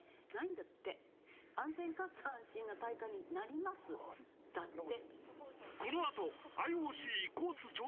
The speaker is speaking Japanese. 「安全かつ安心な大会になります」だって。